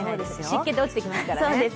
湿気で落ちてきますからね。